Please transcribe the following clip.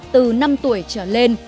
từ năm tuổi trở lên